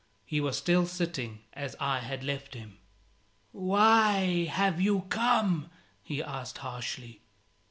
He was still sitting as I had left him. "Why have you come?" he asked, harshly.